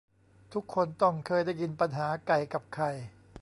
ทุกคนต้องเคยได้ยินปัญหาไก่กับไข่